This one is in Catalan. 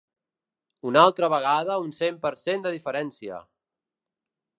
Una altra vegada un cent per cent de diferència!